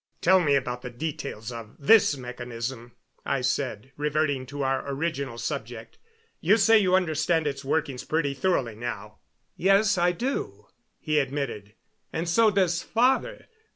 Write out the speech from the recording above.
"Tell me about the details of this mechanism," I said, reverting to our original subject. "You say you understand its workings pretty thoroughly now." "Yes, I do," he admitted, "and so does father.